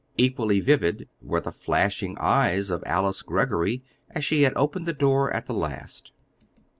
Equally vivid were the flashing eyes of Alice Greggory as she had opened the door at the last.